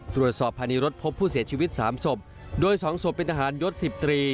ตรวจสอบภายในรถพบผู้เสียชีวิตสามศพโดยสองศพเป็นทหารยศสิบตรี